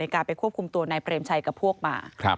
การไปควบคุมตัวนายเปรมชัยกับพวกมา